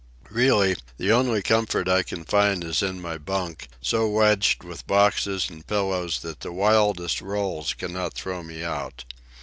Really, the only comfort I can find is in my bunk, so wedged with boxes and pillows that the wildest rolls cannot throw me out.